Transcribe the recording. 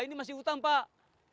ini masih utang pak